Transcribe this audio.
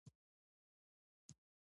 چې په کور دى ورشه.